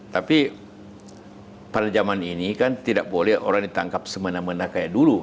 tapi pada zaman ini kan tidak boleh orang ditangkap semena mena kayak dulu